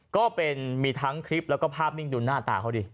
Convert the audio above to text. ก็มีทั้งคลิปแล้วก็ภาพนิ่งดูหน้าตาเขาดิ